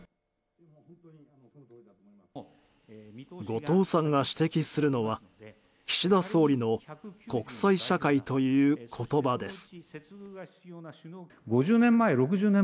後藤さんが指摘するのは岸田総理の国際社会という言葉です。